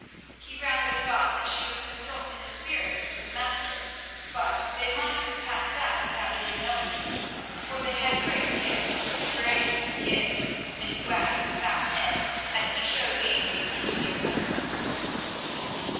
He rather thought that she was consulting the spirits with the Master, but they might have passed out without his knowing it, "for they had great gifts—great gifts," and he wagged his fat head as he showed Adrian into the accustomed room.